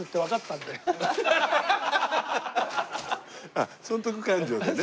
やっぱり損得勘定でね。